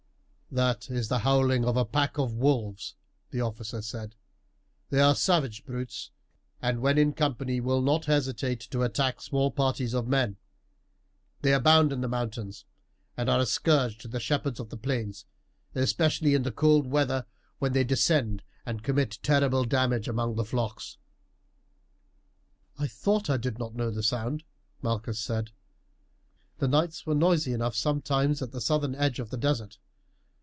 "That is the howling of a pack of wolves," the officer said. "They are savage brutes, and when in company will not hesitate to attack small parties of men. They abound in the mountains, and are a scourge to the shepherds of the plains, especially in the cold weather, when they descend and commit terrible damage among the flocks." "I thought I did not know the sound," Malchus said. "The nights were noisy enough sometimes at the southern edge of the desert.